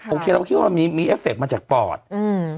โอเคเราก็คิดว่ามันมีมีเอฟเคมาจากปอดอืม